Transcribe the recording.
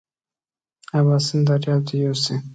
اباسین دریاب دې یوسي.